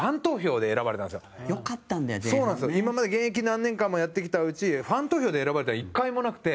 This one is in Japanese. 今まで、現役何年間もやってきたうちファン投票で選ばれたの１回もなくて。